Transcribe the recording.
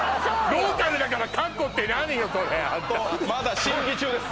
ローカルだからカッコってなによそれあんたまだ審議中です